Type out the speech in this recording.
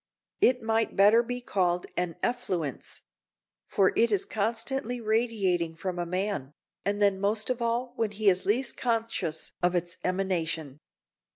It might better be called an effluence; for it is constantly radiating from a man, and then most of all when he is least conscious of its emanation.